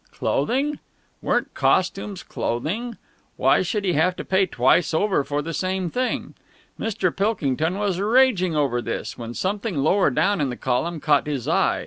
Clothing! Weren't costumes clothing? Why should he have to pay twice over for the same thing? Mr. Pilkington was just raging over this, when something lower down in the column caught his eye.